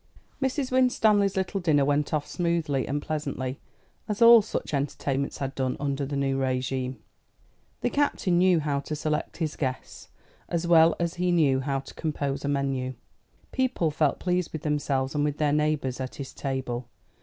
Mrs. Winstanley's little dinner went off smoothly and pleasantly, as all such entertainments had done under the new régime. The Captain knew how to select his guests, as well as he knew how to compose a menu. People felt pleased with themselves and with their neighbours at his table.